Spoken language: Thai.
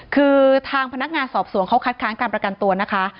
คือทางพนักงานสอบสวนเขาคัดค้างการประกันตัวนะคะ